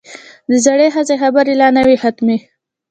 د زړې ښځې خبرې لا نه وې ختمې.